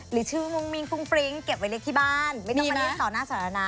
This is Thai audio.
หรือชื่อมุ่งมิ้งฟุ้งฟริ้งเก็บไว้เล็กที่บ้านไม่ต้องมาเลี้ยงต่อหน้าสาธารณะ